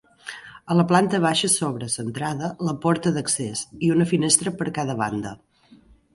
A la planta baixa s'obre, centrada, la porta d'accés, i una finestra per cada banda.